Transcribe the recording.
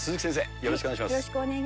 よろしくお願いします。